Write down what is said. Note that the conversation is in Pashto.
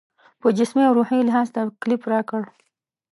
په جسمي او روحي لحاظ تکلیف راکړ.